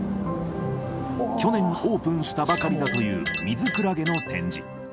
去年オープンしたばかりだという、ミズクラゲの展示。